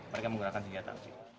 mereka menggunakan senjata